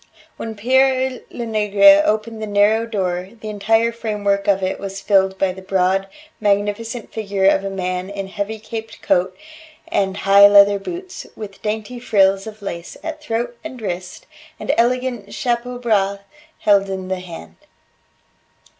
When Pere Lenegre opened the narrow door, the entire framework of it was filled by the broad, magnificent figure of a man in heavy caped coat and high leather boots, with dainty frills of lace at throat and wrist, and elegant chapeau bras held in the hand.